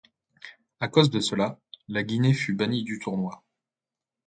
À cause de cela, la Guinée fut bannie du tournoi.